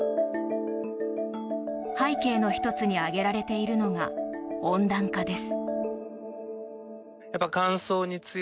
背景の１つに挙げられているのが温暖化です。